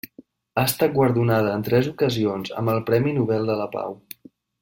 Ha estat guardonada en tres ocasions amb el Premi Nobel de la Pau.